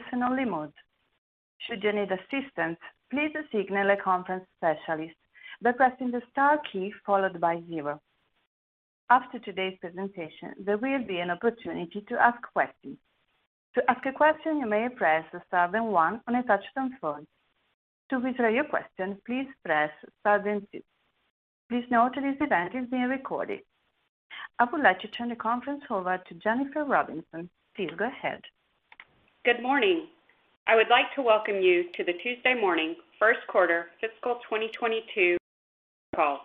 In listen-only mode should you need assistance please signal a conference specialist. The questions is star key followed by zero. After today's presentation there will be an opportunity to ask questions. To as a question you may press star then one on your touch-tone phone. To withdraw your question please press star then two. Please note that this event is being recorded. I would like to turn the conference over to Jennifer Robinson. Please go ahead. Good morning. I would like to welcome you to the Tuesday Morning first quarter fiscal 2022 call.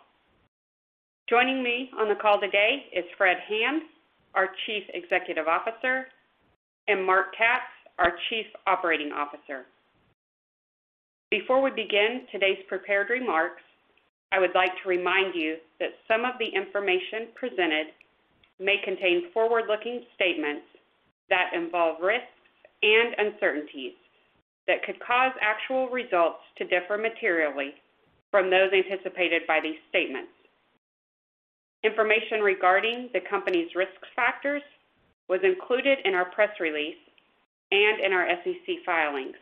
Joining me on the call today is Fred Hand, our Chief Executive Officer, and Marc Katz, our Chief Operating Officer. Before we begin today's prepared remarks, I would like to remind you that some of the information presented may contain forward-looking statements that involve risks and uncertainties that could cause actual results to differ materially from those anticipated by these statements. Information regarding the company's risk factors was included in our press release and in our SEC filings.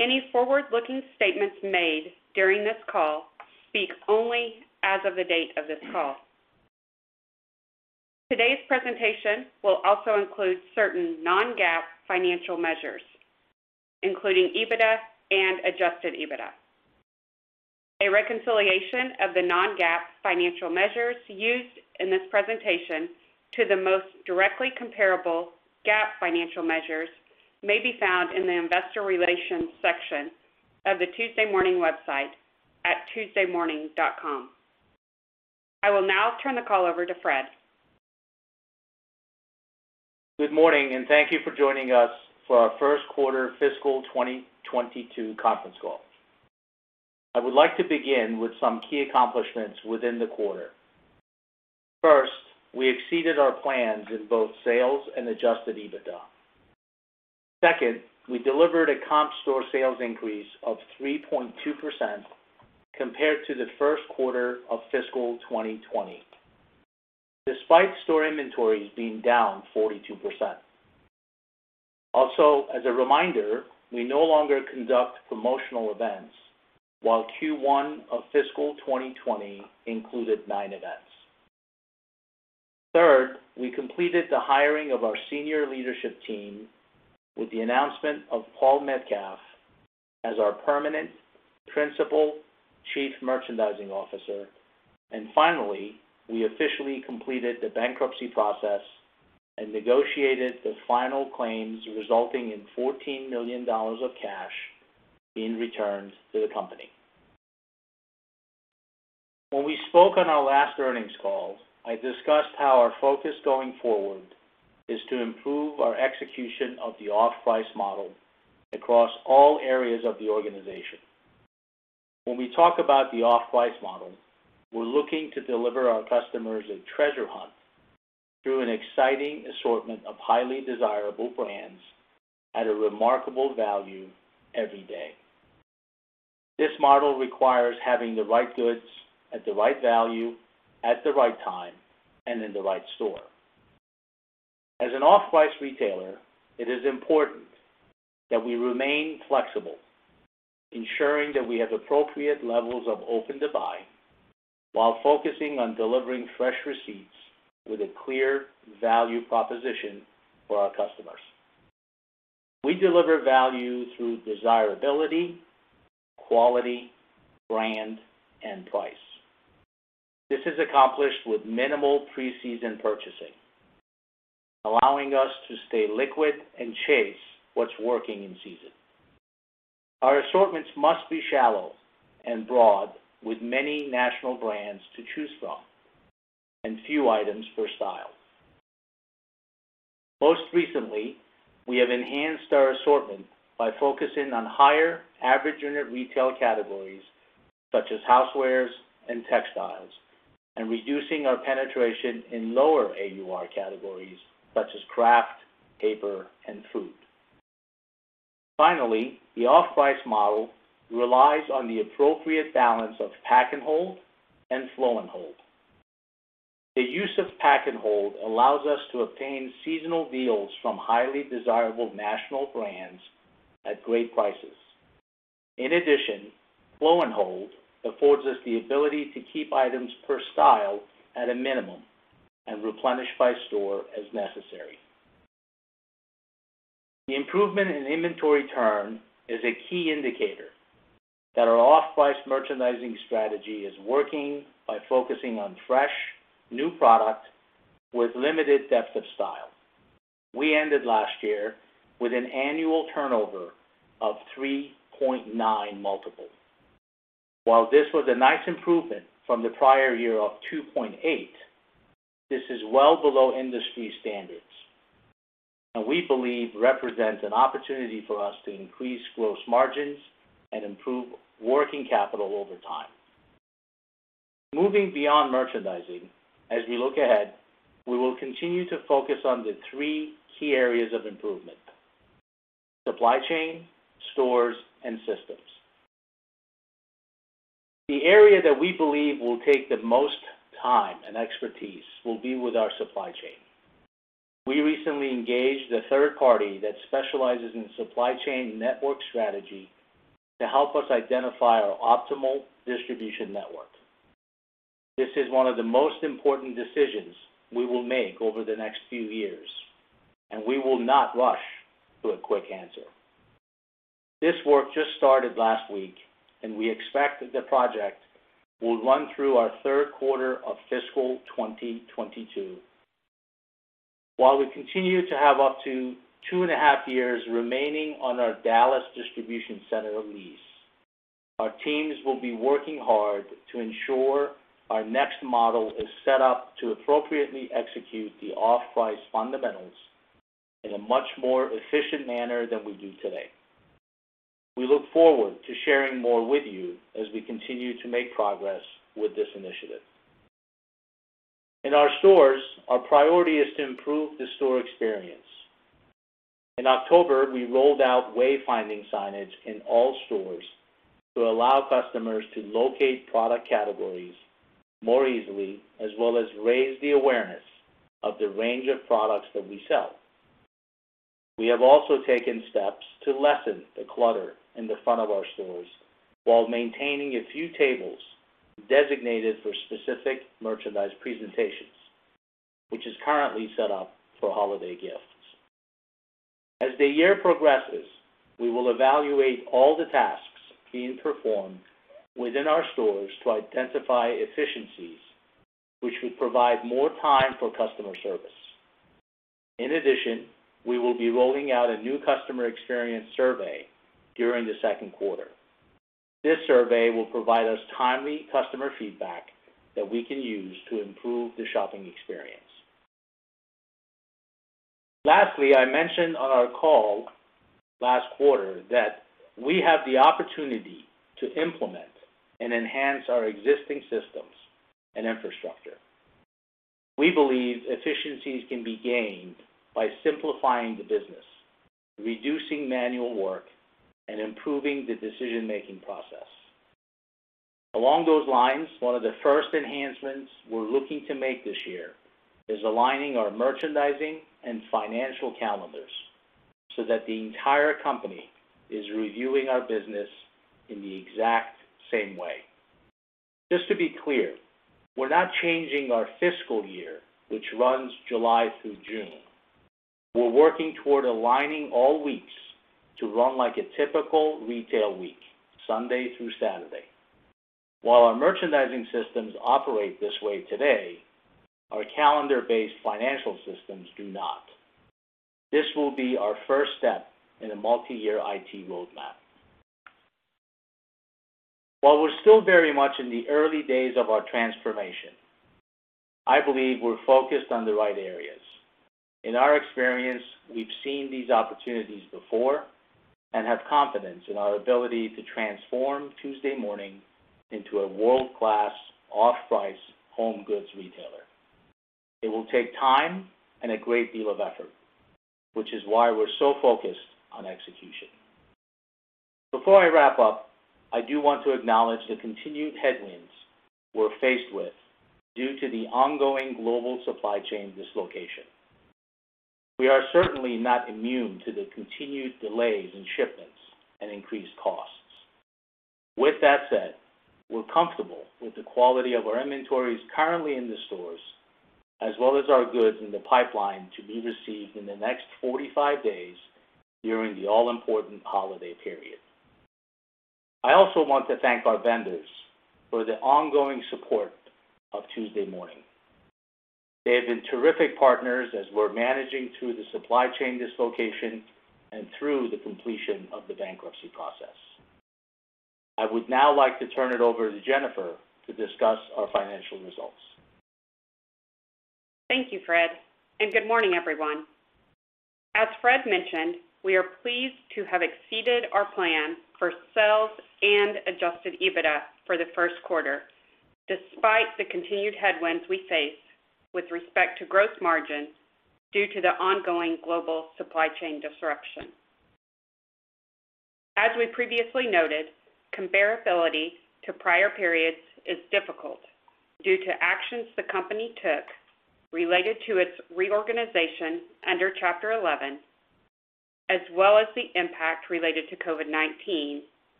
Any forward-looking statements made during this call speak only as of the date of this call. Today's presentation will also include certain non-GAAP financial measures, including EBITDA and adjusted EBITDA. A reconciliation of the non-GAAP financial measures used in this presentation to the most directly comparable GAAP financial measures may be found in the investor relations section of the Tuesday Morning website at tuesdaymorning.com. I will now turn the call over to Fred. Good morning, and thank you for joining us for our first quarter fiscal 2022 conference call. I would like to begin with some key accomplishments within the quarter. First, we exceeded our plans in both sales and adjusted EBITDA. Second, we delivered a comp store sales increase of 3.2% compared to the first quarter of fiscal 2020, despite store inventories being down 42%. Also, as a reminder, we no longer conduct promotional events, while Q1 of fiscal 2020 included 9 events. Third, we completed the hiring of our senior leadership team with the announcement of Paul Metcalf as our permanent Principal Chief Merchandising Officer. Finally, we officially completed the bankruptcy process and negotiated the final claims, resulting in $14 million of cash being returned to the company. When we spoke on our last earnings call, I discussed how our focus going forward is to improve our execution of the off-price model across all areas of the organization. When we talk about the off-price model, we're looking to deliver our customers a treasure hunt through an exciting assortment of highly desirable brands at a remarkable value every day. This model requires having the right goods at the right value at the right time and in the right store. As an off-price retailer, it is important that we remain flexible, ensuring that we have appropriate levels of open to buy while focusing on delivering fresh receipts with a clear value proposition for our customers. We deliver value through desirability, quality, brand, and price. This is accomplished with minimal pre-season purchasing, allowing us to stay liquid and chase what's working in season. Our assortments must be shallow and broad, with many national brands to choose from and few items per style. Most recently, we have enhanced our assortment by focusing on higher average unit retail categories such as housewares and textiles, and reducing our penetration in lower AUR categories such as craft, paper, and food. Finally, the off-price model relies on the appropriate balance of pack and hold and flow and hold. The use of pack and hold allows us to obtain seasonal deals from highly desirable national brands at great prices. In addition, flow and hold affords us the ability to keep items per style at a minimum and replenish by store as necessary. The improvement in inventory turn is a key indicator that our off-price merchandising strategy is working by focusing on fresh new product with limited depth of style. We ended last year with an annual turnover of 3.9x. While this was a nice improvement from the prior year of 2.8x, this is well below industry standards, and we believe represents an opportunity for us to increase gross margins and improve working capital over time. Moving beyond merchandising, as we look ahead, we will continue to focus on the three key areas of improvement: supply chain, stores, and systems. The area that we believe will take the most time and expertise will be with our supply chain. We recently engaged a third party that specializes in supply chain network strategy to help us identify our optimal distribution network. This is one of the most important decisions we will make over the next few years, and we will not rush to a quick answer. This work just started last week, and we expect that the project will run through our third quarter of fiscal 2022. While we continue to have up to two and a half years remaining on our Dallas distribution center lease, our teams will be working hard to ensure our next model is set up to appropriately execute the off-price fundamentals in a much more efficient manner than we do today. We look forward to sharing more with you as we continue to make progress with this initiative. In our stores, our priority is to improve the store experience. In October, we rolled out wayfinding signage in all stores to allow customers to locate product categories more easily, as well as raise the awareness of the range of products that we sell. We have also taken steps to lessen the clutter in the front of our stores while maintaining a few tables designated for specific merchandise presentations, which is currently set up for holiday gifts. As the year progresses, we will evaluate all the tasks being performed within our stores to identify efficiencies which would provide more time for customer service. In addition, we will be rolling out a new customer experience survey during the second quarter. This survey will provide us timely customer feedback that we can use to improve the shopping experience. Lastly, I mentioned on our call last quarter that we have the opportunity to implement and enhance our existing systems and infrastructure. We believe efficiencies can be gained by simplifying the business, reducing manual work, and improving the decision-making process. Along those lines, one of the first enhancements we're looking to make this year is aligning our merchandising and financial calendars so that the entire company is reviewing our business in the exact same way. Just to be clear, we're not changing our fiscal year, which runs July through June. We're working toward aligning all weeks to run like a typical retail week, Sunday through Saturday. While our merchandising systems operate this way today, our calendar-based financial systems do not. This will be our first step in a multiyear IT roadmap. While we're still very much in the early days of our transformation, I believe we're focused on the right areas. In our experience, we've seen these opportunities before and have confidence in our ability to transform Tuesday Morning into a world-class off-price home goods retailer. It will take time and a great deal of effort, which is why we're so focused on execution. Before I wrap up, I do want to acknowledge the continued headwinds we're faced with due to the ongoing global supply chain dislocation. We are certainly not immune to the continued delays in shipments and increased costs. With that said, we're comfortable with the quality of our inventories currently in the stores, as well as our goods in the pipeline to be received in the next 45 days during the all-important holiday period. I also want to thank our vendors for their ongoing support of Tuesday Morning. They have been terrific partners as we're managing through the supply chain dislocation and through the completion of the bankruptcy process. I would now like to turn it over to Jennifer to discuss our financial results. Thank you, Fred, and good morning, everyone. As Fred mentioned, we are pleased to have exceeded our plan for sales and adjusted EBITDA for the first quarter, despite the continued headwinds we face with respect to gross margin due to the ongoing global supply chain disruption. As we previously noted, comparability to prior periods is difficult due to actions the company took related to its reorganization under Chapter 11, as well as the impact related to COVID-19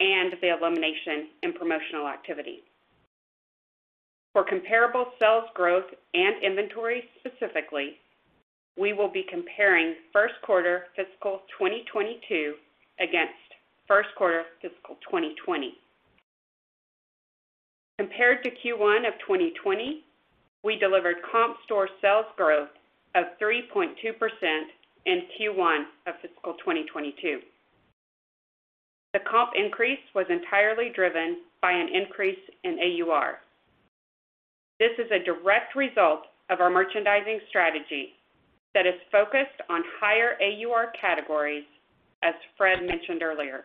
and the elimination in promotional activity. For comparable sales growth and inventory specifically, we will be comparing first quarter fiscal 2022 against first quarter fiscal 2020. Compared to Q1 of 2020, we delivered comp store sales growth of 3.2% in Q1 of fiscal 2022. The comp increase was entirely driven by an increase in AUR. This is a direct result of our merchandising strategy that is focused on higher AUR categories, as Fred mentioned earlier.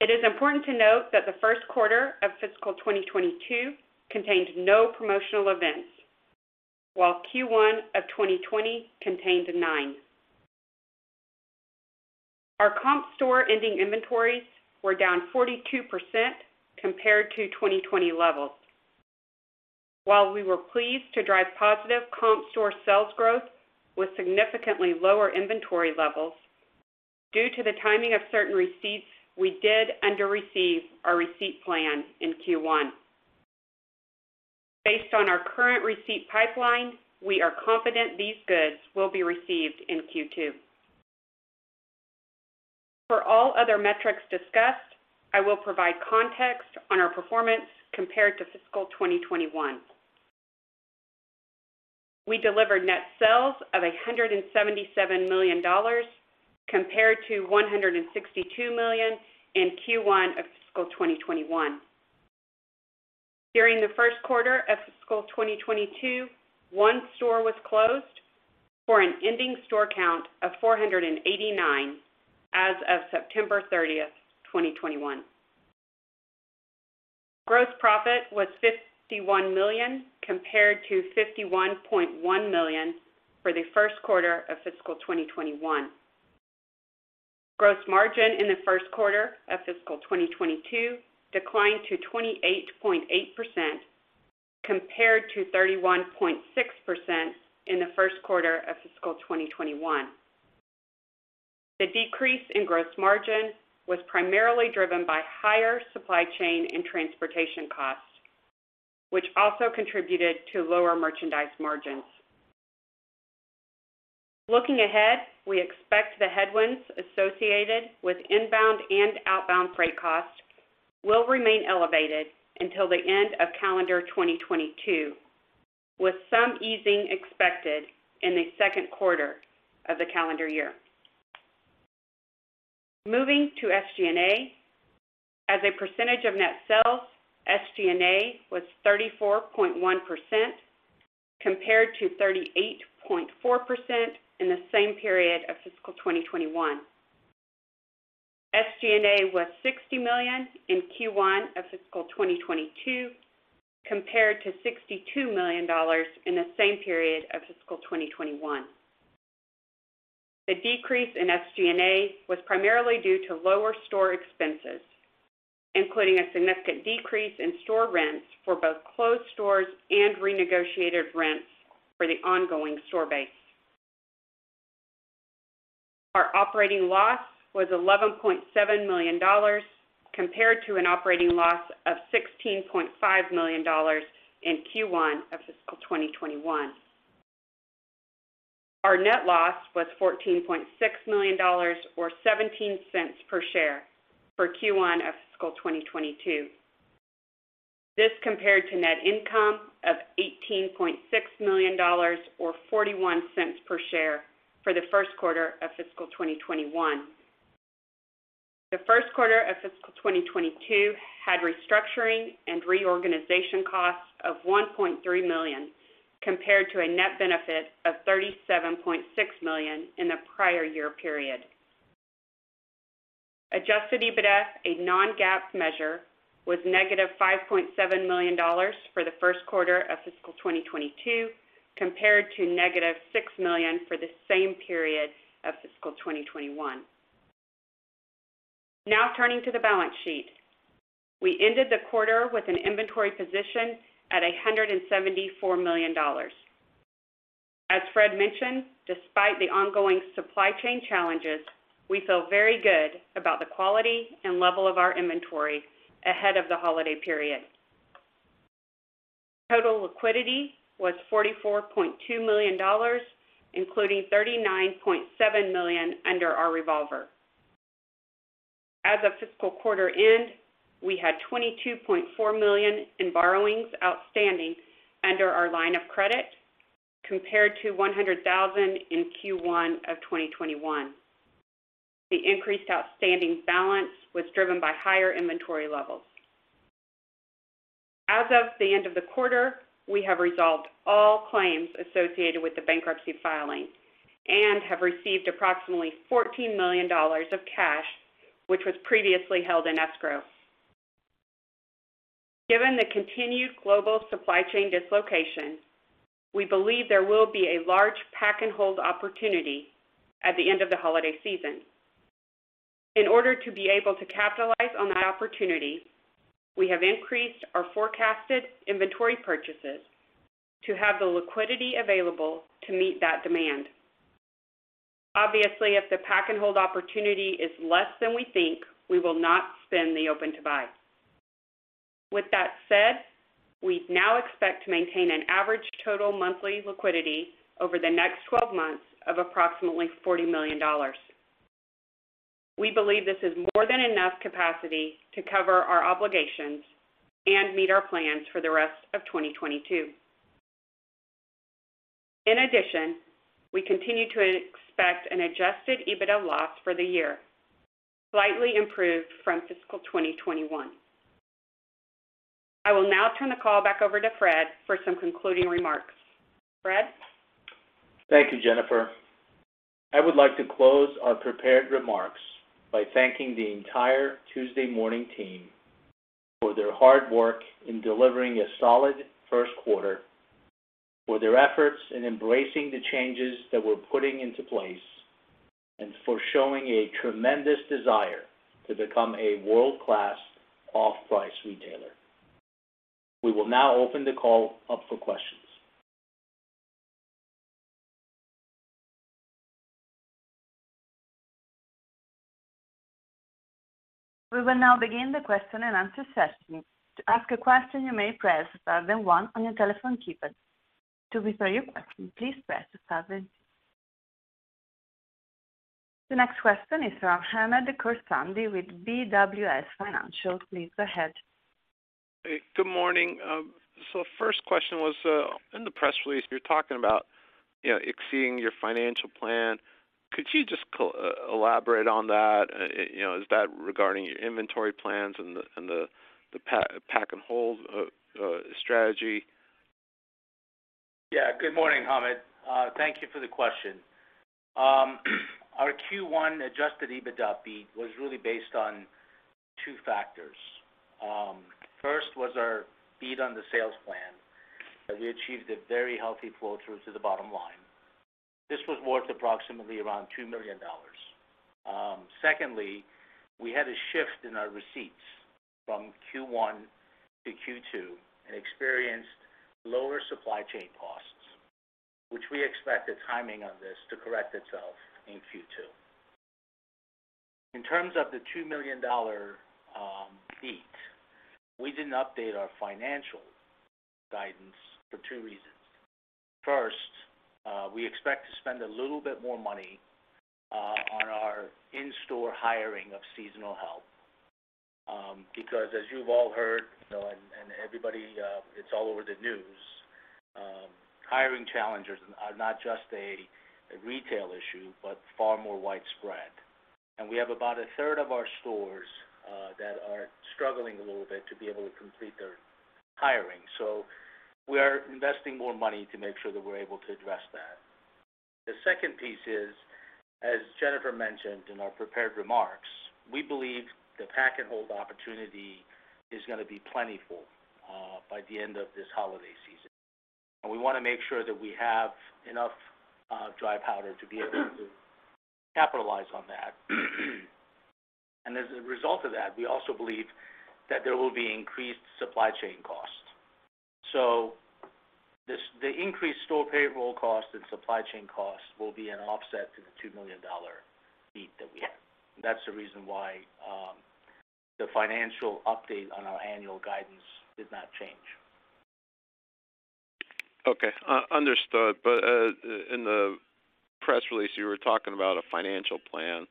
It is important to note that the first quarter of fiscal 2022 contained no promotional events, while Q1 of 2020 contained nine. Our comp store ending inventories were down 42% compared to 2020 levels. While we were pleased to drive positive comp store sales growth with significantly lower inventory levels, due to the timing of certain receipts, we did under-receive our receipt plan in Q1. Based on our current receipt pipeline, we are confident these goods will be received in Q2. For all other metrics discussed, I will provide context on our performance compared to fiscal 2021. We delivered net sales of $177 million compared to $162 million in Q1 of fiscal 2021. During the first quarter of fiscal 2022, one store was closed for an ending store count of 489 as of September 30th, 2021. Gross profit was $51 million compared to $51.1 million for the first quarter of fiscal 2021. Gross margin in the first quarter of fiscal 2022 declined to 28.8% compared to 31.6% in the first quarter of fiscal 2021. The decrease in gross margin was primarily driven by higher supply chain and transportation costs, which also contributed to lower merchandise margins. Looking ahead, we expect the headwinds associated with inbound and outbound freight costs will remain elevated until the end of calendar 2022, with some easing expected in the second quarter of the calendar year. Moving to SG&A. As a percentage of net sales, SG&A was 34.1% compared to 38.4% in the same period of fiscal 2021. SG&A was $60 million in Q1 of fiscal 2022 compared to $62 million in the same period of fiscal 2021. The decrease in SG&A was primarily due to lower store expenses, including a significant decrease in store rents for both closed stores and renegotiated rents for the ongoing store base. Our operating loss was $11.7 million compared to an operating loss of $16.5 million in Q1 of fiscal 2021. Our net loss was $14.6 million or $0.17 per share for Q1 of fiscal 2022. This compared to net income of $18.6 million or $0.41 per share for the first quarter of fiscal 2021. The first quarter of fiscal 2022 had restructuring and reorganization costs of $1.3 million compared to a net benefit of $37.6 million in the prior year period. Adjusted EBITDA, a non-GAAP measure, was -$5.7 million for the first quarter of fiscal 2022 compared to -$6 million for the same period of fiscal 2021. Now turning to the balance sheet. We ended the quarter with an inventory position at $174 million. As Fred mentioned, despite the ongoing supply chain challenges, we feel very good about the quality and level of our inventory ahead of the holiday period. Total liquidity was $44.2 million, including $39.7 million under our revolver. As of fiscal quarter end, we had $22.4 million in borrowings outstanding under our line of credit compared to $100,000 in Q1 of 2021. The increased outstanding balance was driven by higher inventory levels. As of the end of the quarter, we have resolved all claims associated with the bankruptcy filing and have received approximately $14 million of cash, which was previously held in escrow. Given the continued global supply chain dislocation, we believe there will be a large pack and hold opportunity at the end of the holiday season. In order to be able to capitalize on that opportunity, we have increased our forecasted inventory purchases to have the liquidity available to meet that demand. Obviously, if the pack and hold opportunity is less than we think, we will not spend the open to buy. With that said, we now expect to maintain an average total monthly liquidity over the next 12 months of approximately $40 million. We believe this is more than enough capacity to cover our obligations and meet our plans for the rest of 2022. In addition, we continue to expect an adjusted EBITDA loss for the year, slightly improved from fiscal 2021. I will now turn the call back over to Fred for some concluding remarks. Fred? Thank you, Jennifer. I would like to close our prepared remarks by thanking the entire Tuesday Morning team for their hard work in delivering a solid first quarter. For their efforts in embracing the changes that we're putting into place and for showing a tremendous desire to become a world-class off-price retailer. We will now open the call up for questions. We will now begin the question-and-answer session. The next question is from Hamed Khorsand with BWS Financial. Please go ahead. Hey, good morning. First question was, in the press release, you're talking about, you know, exceeding your financial plan. Could you just elaborate on that? You know, is that regarding your inventory plans and the pack and hold strategy? Yeah. Good morning, Hamed. Thank you for the question. Our Q1 adjusted EBITDA beat was really based on two factors. First was our beat on the sales plan, and we achieved a very healthy flow through to the bottom line. This was worth approximately around $2 million. Secondly, we had a shift in our receipts from Q1 to Q2 and experienced lower supply chain costs, which we expect the timing on this to correct itself in Q2. In terms of the $2 million beat, we didn't update our financial guidance for two reasons. First, we expect to spend a little bit more money on our in-store hiring of seasonal help, because as you've all heard, you know, and everybody, it's all over the news, hiring challenges are not just a retail issue, but far more widespread. We have about a third of our stores that are struggling a little bit to be able to complete their hiring. We are investing more money to make sure that we're able to address that. The second piece is, as Jennifer mentioned in our prepared remarks, we believe the pack and hold opportunity is gonna be plentiful by the end of this holiday season. We wanna make sure that we have enough dry powder to be able to capitalize on that. As a result of that, we also believe that there will be increased supply chain costs. The increased store payroll cost and supply chain costs will be an offset to the $2 million beat that we have. That's the reason why the financial update on our annual guidance did not change. Okay. Understood. In the press release, you were talking about a financial plan.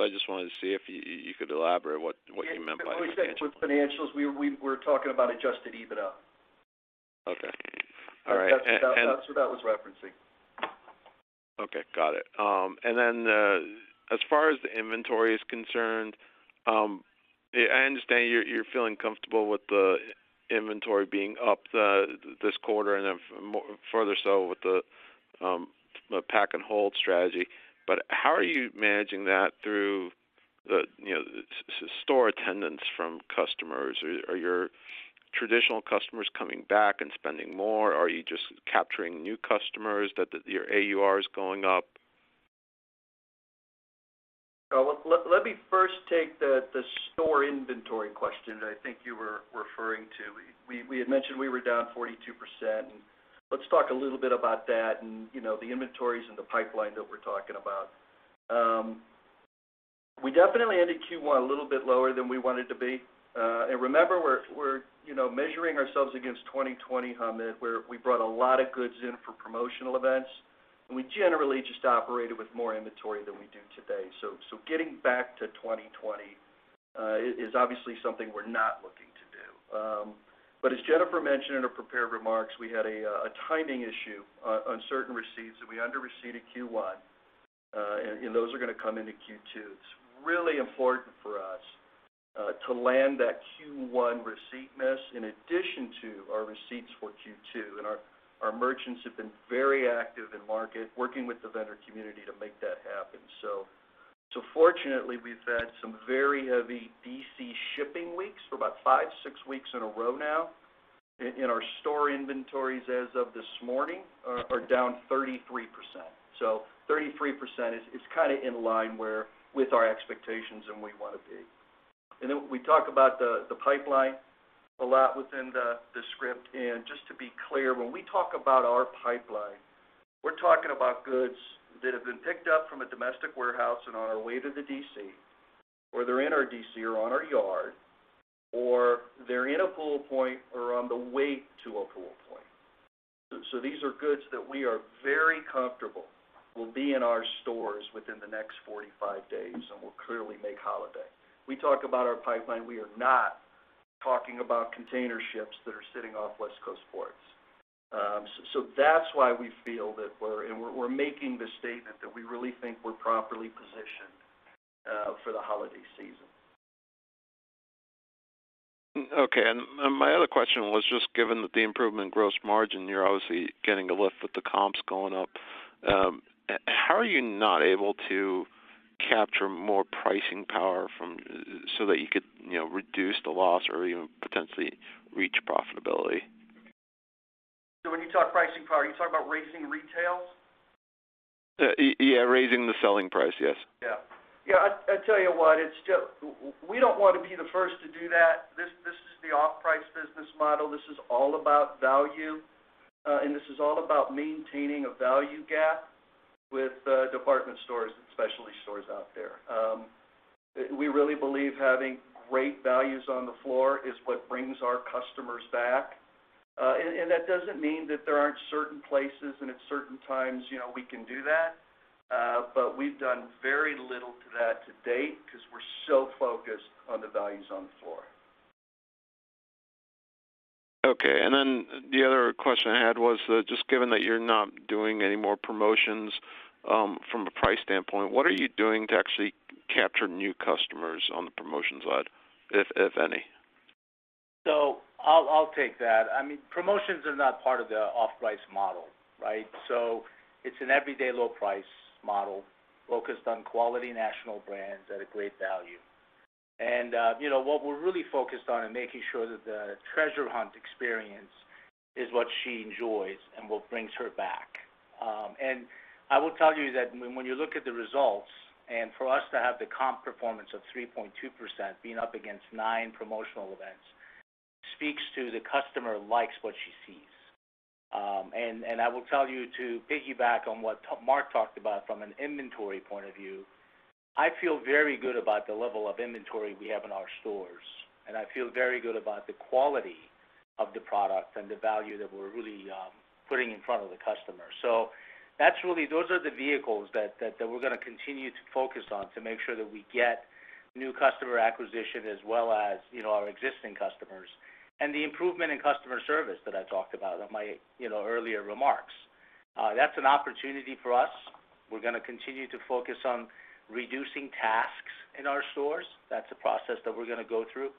I just wanted to see if you could elaborate what you meant by that. When we said with financials, we were talking about adjusted EBITDA. Okay. All right. That's what that was referencing. Okay, got it. As far as the inventory is concerned, I understand you're feeling comfortable with the inventory being up this quarter and then further so with the pack and hold strategy. How are you managing that through the, you know, store attendance from customers? Are your traditional customers coming back and spending more? Are you just capturing new customers that your AUR is going up? Let me first take the store inventory question that I think you were referring to. We had mentioned we were down 42%, and let's talk a little bit about that and, you know, the inventories and the pipeline that we're talking about. We definitely ended Q1 a little bit lower than we wanted to be. And remember, we're, you know, measuring ourselves against 2020, Hamed, where we brought a lot of goods in for promotional events, and we generally just operated with more inventory than we do today. Getting back to 2020 is obviously something we're not looking to do. As Jennifer mentioned in her prepared remarks, we had a timing issue on certain receipts that we under-received in Q1. And those are gonna come into Q2. It's really important for us to land that Q1 receipt miss in addition to our receipts for Q2. Our merchants have been very active in market, working with the vendor community to make that happen. Fortunately, we've had some very heavy DC shipping weeks for about five, six weeks in a row now. Our store inventories as of this morning are down 33%. 33% is kinda in line with our expectations and we wanna be. We talk about the pipeline a lot within the script. Just to be clear, when we talk about our pipeline, we're talking about goods that have been picked up from a domestic warehouse and on our way to the DC or they're in our DC or on our yard, or they're in a pull point or on the way to a pull point. These are goods that we are very comfortable will be in our stores within the next 45 days and will clearly make holiday. We talk about our pipeline, we are not talking about container ships that are sitting off West Coast ports. That's why we feel that we're making the statement that we really think we're properly positioned for the holiday season. Okay. My other question was just given that the improvement in gross margin, you're obviously getting a lift with the comps going up. How are you not able to capture more pricing power from so that you could, you know, reduce the loss or even potentially reach profitability? When you talk pricing power, are you talking about raising retail? Yeah, raising the selling price, yes. Yeah. Yeah. I tell you what, it's just we don't wanna be the first to do that. This is the off-price business model. This is all about value, and this is all about maintaining a value gap with, department stores and specialty stores out there. We really believe having great values on the floor is what brings our customers back. And that doesn't mean that there aren't certain places and at certain times, you know, we can do that. But we've done very little to that to date 'cause we're so focused on the values on the floor. Okay. The other question I had was, just given that you're not doing any more promotions, from a price standpoint, what are you doing to actually capture new customers on the promotions side, if any? I'll take that. I mean, promotions are not part of the off-price model, right? It's an everyday low-price model focused on quality national brands at a great value. You know, what we're really focused on in making sure that the treasure hunt experience is what she enjoys and what brings her back. I will tell you that when you look at the results, and for us to have the comp performance of 3.2% being up against nine promotional events speaks to the customer likes what she sees. I will tell you to piggyback on what Marc talked about from an inventory point of view. I feel very good about the level of inventory we have in our stores, and I feel very good about the quality of the product and the value that we're really putting in front of the customer. Those are the vehicles that we're gonna continue to focus on to make sure that we get new customer acquisition as well as, you know, our existing customers. The improvement in customer service that I talked about in my, you know, earlier remarks. That's an opportunity for us. We're gonna continue to focus on reducing tasks in our stores. That's a process that we're gonna go through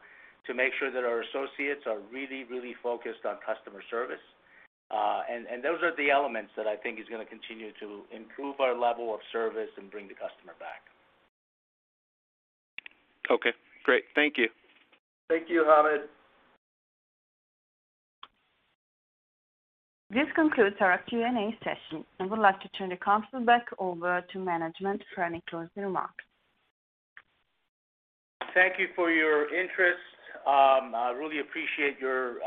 to make sure that our associates are really, really focused on customer service. Those are the elements that I think is gonna continue to improve our level of service and bring the customer back. Okay, great. Thank you. Thank you, Hamed. This concludes our Q&A session. I would like to turn the conference back over to management for any closing remarks. Thank you for your interest. I really appreciate your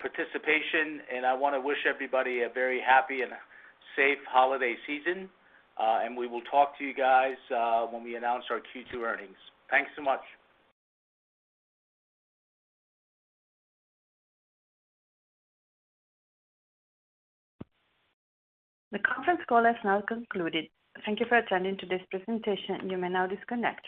participation, and I wanna wish everybody a very happy and safe holiday season. We will talk to you guys when we announce our Q2 earnings. Thanks so much. The conference call has now concluded. Thank you for attending today's presentation. You may now disconnect.